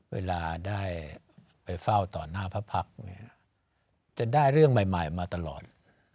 เวลาได้ไปเฝ้าต่อหน้าพระพักษ์เนี่ยจะได้เรื่องใหม่มาตลอด